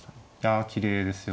あきれいですよ